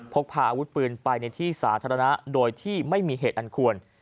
พกพาอาวุธปืนไปในที่สาธารณะโดยที่ไม่มีเหตุอันควร